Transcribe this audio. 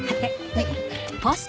はい。